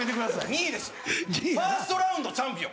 ２位ですファーストラウンドチャンピオン。